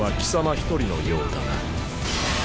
一人のようだな。